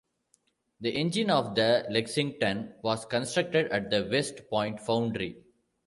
The engine of the "Lexington" was constructed at the West Point Foundry.